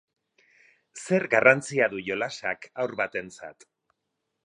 Zer garrantzia du jolasak haur batentzat?